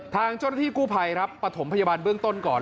ทางเจ้าหน้าที่กู้ภัยครับปฐมพยาบาลเบื้องต้นก่อน